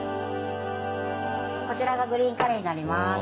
こちらがグリーンカレーになります。